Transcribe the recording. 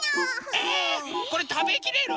えこれたべきれる？